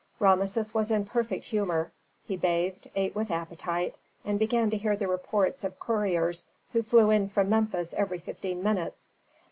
Rameses was in perfect humor. He bathed, ate with appetite, and began to hear the reports of couriers who flew in from Memphis every fifteen minutes.